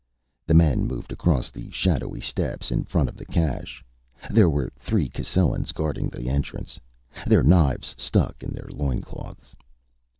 The men moved across the shadowy steps in front of the cache. There were three Cascellans guarding the entrance, their knives stuck in their loincloths.